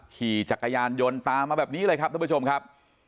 ขี่จักรยานยนต์ตามมาแบบนี้เลยครับท่านผู้ชมครับ